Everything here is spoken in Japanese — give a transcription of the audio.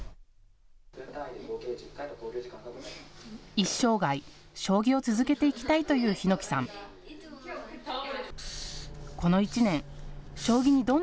一生涯、将棋を続けていきたいという檜さん。